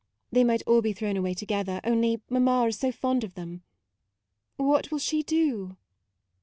They might all be thrown away together, only mamma is so fond of them. What will she do?"